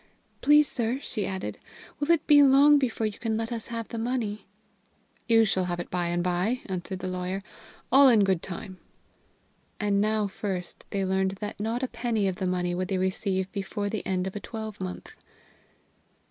Please, sir," she added, "will it be long before you can let us have the money?" "You shall have it by and by," answered the lawyer; "all in good time." And now first they learned that not a penny of the money would they receive before the end of a twelvemonth.